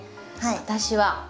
私は。